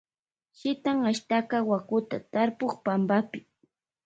Shitan ashtaka wakuta tarpuk pampapi.